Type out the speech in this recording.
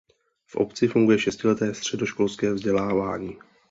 V obci funguje šestileté středoškolské vzdělávání.